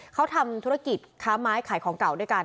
เขาทำธุรกิจค้าไม้ขายของเก่าด้วยกัน